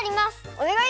おねがい！